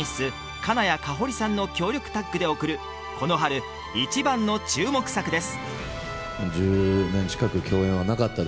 金谷かほりさんの強力タッグで送るこの春一番の注目作です